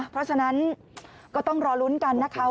เพราะฉะนั้นก็ต้องรอลุ้นกันนะคะ